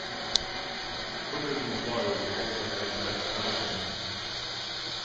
Hookers N' Blow was also named Best Cover Band.